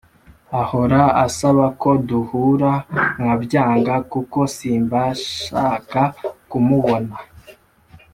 ahora asabako duhura nkabyanga kuko simbashaka kumubona